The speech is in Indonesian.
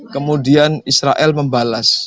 kemudian israel membalas